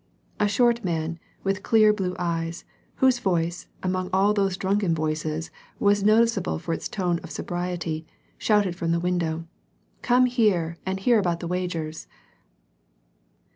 A short man, with clear blue eyes, whose voice, among all those drunken voices, was noticeable for its tone of sobriety, shouted from the window, " Come here and hear about the wagers."